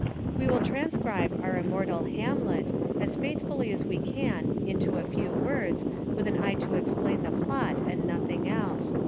We will transcribe our immortal Hamlet as faithfully as we can into a few words with an eye to explain the plot and nothing else.